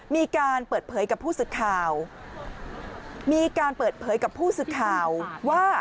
มีการเปิดเผยกับผู้สื่อข่าวมีการเปิดเผยกับผู้สื่อข่าวว่า